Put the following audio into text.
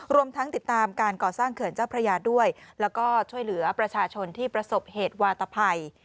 รวมทั้งติดตามการก่อสร้างเขื่อนเจ้าพระยาด้วยแล้วก็ช่วยเหลือประชาชนที่ประสบเหตุวาตภัย